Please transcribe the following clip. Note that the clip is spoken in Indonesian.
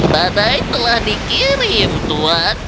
batai telah dikirim tuan